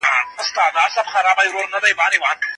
اسلامي ارزښتونه په ټولنه کي حاکم وو.